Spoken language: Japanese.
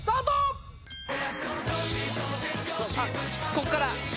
「こっから」